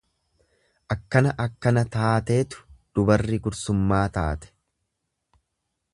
Akkana akkana taateetu dubarri gursummaa taate.